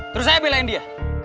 terus saya belain dia